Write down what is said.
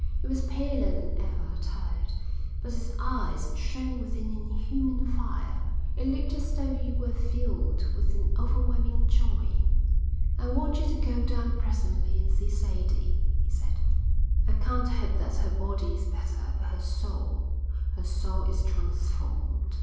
He was paler than ever, tired, but his eyes shone with an inhuman fire. It looked as though he were filled with an overwhelming joy. "I want you to go down presently and see Sadie," he said. "I can't hope that her body is better, but her soul her soul is transformed."